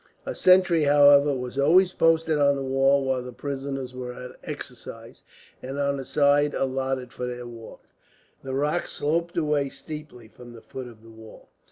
A sentry, however, was always posted on the wall while the prisoners were at exercise; and on the side allotted for their walk, the rock sloped away steeply from the foot of the wall.